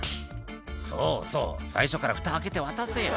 「そうそう最初からフタ開けて渡せよ」